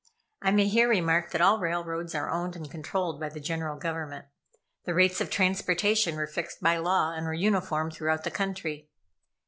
I may here remark that all railroads are owned and controlled by the General Government. The rates of transportation were fixed by law, and were uniform throughout the country.